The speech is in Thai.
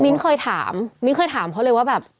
มิ้นเคยถามเพราะเลยว่าแบบ